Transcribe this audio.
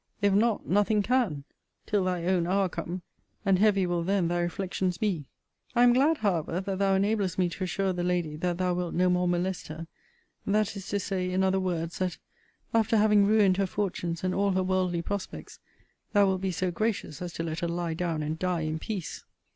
If not, nothing can, till thy own hour come: and heavy will then thy reflections be! I am glad, however, that thou enablest me to assure the lady that thou wilt no more molest her; that is to say, in other words, that, after having ruined her fortunes, and all her worldly prospects, thou wilt be so gracious, as to let her lie down and die in peace.